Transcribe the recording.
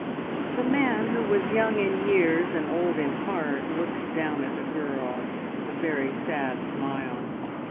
The man, who was young in years and old in heart, looked down at the girl with a very sad smile.